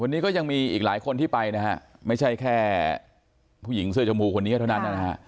วันนี้ก็ยังมีอีกหลายคนที่ไปนะฮะไม่ใช่แค่ผู้หญิงเสื้อชมพูคนนี้เท่านั้นนะฮะ